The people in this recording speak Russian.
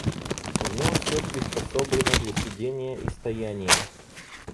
В нем всё приспособлено для сидения и стояния.